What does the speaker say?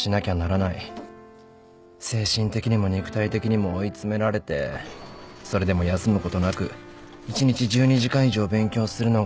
精神的にも肉体的にも追い詰められてそれでも休むことなく１日１２時間以上勉強するのが当たり前。